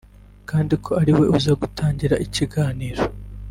kandi ko ari we uza gutangira ikiganiro